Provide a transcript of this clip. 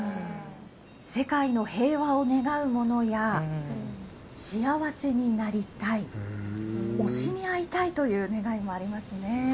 世界の平和を願うものや幸せになりたい推しに会いたいという願いもありますね。